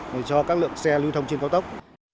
để cho các lượng xe lưu thông trên cao tốc